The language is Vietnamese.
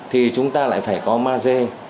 thì chúng ta lại phải có maze